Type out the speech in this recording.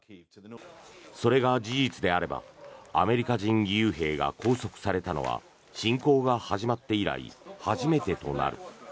それが事実であればアメリカ人義勇兵が拘束されたのは侵攻が始まって以来初めてとなる。